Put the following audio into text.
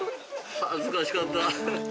恥ずかしかった。